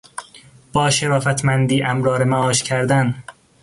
با شرافتمندی امرار معاش کردن